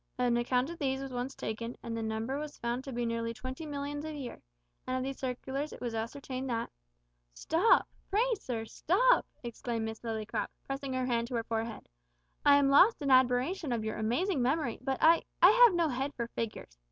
An account of these was once taken, and the number was found to be nearly twenty millions a year, and of these circulars it was ascertained that " "Stop! pray, sir, stop!" exclaimed Miss Lillycrop, pressing her hand to her forehead; "I am lost in admiration of your amazing memory, but I I have no head for figures.